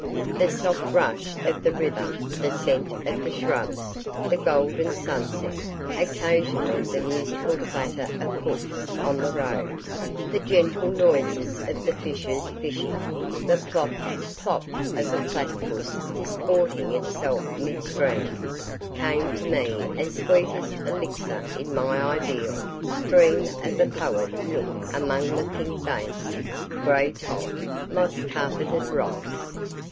The soft rush of the river, the scent of the shrubs, the golden sunset, occasionally the musical clatter of hoofs on the road, the gentle noises of the fishers fishing, the plop, plop of a platypus disporting itself mid stream, came to me as sweetest elixir in my ideal, dream of a poet nook among the pink based, grey topped, moss carpeted rocks.